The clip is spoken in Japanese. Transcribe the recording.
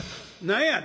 何や。